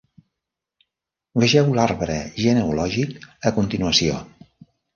Vegeu l'arbre genealògic a continuació.